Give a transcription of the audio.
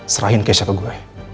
serahin keisha ke gue